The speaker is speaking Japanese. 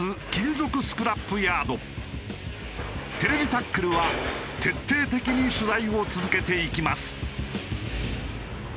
『ＴＶタックル』は徹底的に取材を続けていきます。